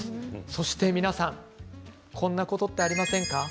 そして、皆さんこんなことってありませんか？